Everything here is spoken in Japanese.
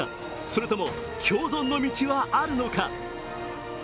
それとも共存の道はあるのか。